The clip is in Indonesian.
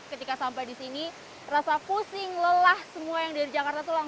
ketika sampai di sini rasa pusing lelah semua yang dari jakarta itu langsung hilang